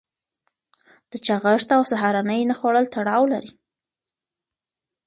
د چاغښت او سهارنۍ نه خوړل تړاو لري.